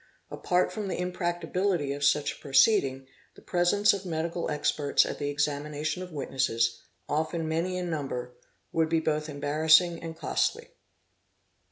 Apart from: the impracticability of such a proceeding, the presence of medical experts at the examination of witnesses—often many in number—would be both embarrassing and costly.